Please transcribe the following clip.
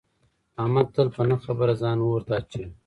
احمد تل په نه خبره ځان اور ته اچوي.